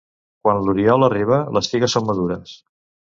Quan l'oriol arriba, les figues són madures.